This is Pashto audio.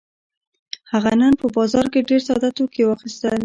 هغه نن په بازار کې ډېر ساده توکي واخيستل.